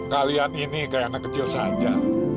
kalian ini kayak anak kecil saja